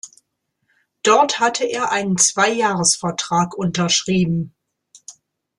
Dort hatte er einen Zweijahres-Vertrag unterschrieben.